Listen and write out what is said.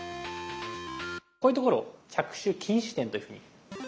こういうところ「着手禁止点」というふうに。